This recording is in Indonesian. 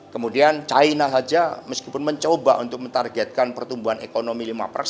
kemudian china saja meskipun mencoba untuk mentargetkan pertumbuhan ekonomi lima persen